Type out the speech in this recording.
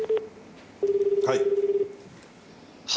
はい。